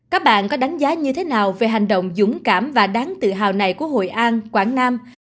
các bạn có đánh giá như thế nào về hành động dũng cảm và đáng tự hào này của hội an quảng nam